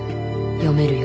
読めるよ